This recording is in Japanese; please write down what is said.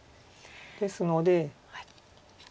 ですので。